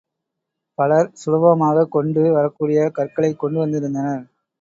பலர் சுலபமாகக் கொண்டு வரக் கூடிய கற்களை கொண்டு வந்திருந்தனர்.